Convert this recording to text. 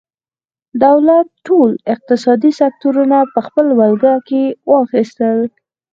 دولت ټول اقتصادي سکتورونه په خپله ولکه کې واخیستل.